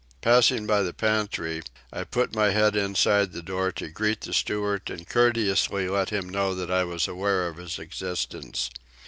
Passing by the pantry, I put my head inside the door to greet the steward and courteously let him know that I was aware of his existence.